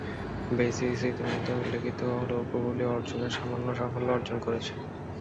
Basis ইতিমধ্যে উল্লিখিত লক্ষ্যগুলি অর্জনে সামান্য সাফল্য অর্জন করেছে।